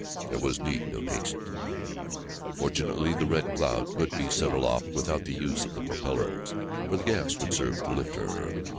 There was need of haste. Fortunately the Red Cloud could be sent aloft without the use of the propellers, for the gas would serve to lift her.